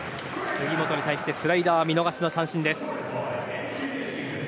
杉本に対してスライダー見逃し三振です。